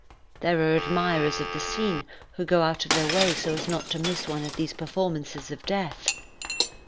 There are admirers of the scene who go out of their way so as not to miss one of these performances of death.